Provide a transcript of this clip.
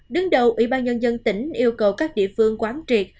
đứng đầu ủy ban nhân dân tỉnh yêu cầu các địa phương quán triệt